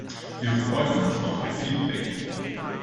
Wir freuen uns auf Ihr Feedback!